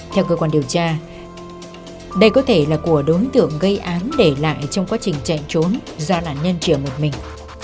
theo cơ quan điều tra đây có thể là của đối tượng gây án để lại trong quá trình chạy trốn do nạn nhân trở một mình